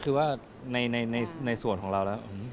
คืออย่างงี้นะฮะในหน้าส่วนของเราแล้ว